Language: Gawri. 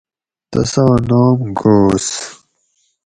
تساں نام گھوس